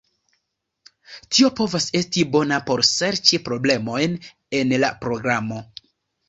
Tio povas esti bona por serĉi problemojn en la programo.